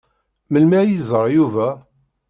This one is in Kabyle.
Melmi ay yeẓra Yuba?